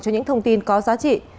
cho những thông tin có giá trị